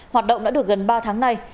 hoạt động đã được gần ba tháng nay